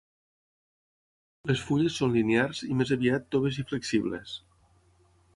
Les fulles són linears i més aviat toves i flexibles.